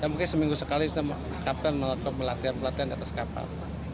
mungkin seminggu sekali kapal melakukan pelatihan pelatihan di atas kapal